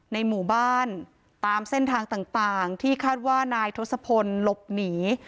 ในหมู่บ้านตามเส้นทางต่างที่คาดว่านายทศพลหลบหนี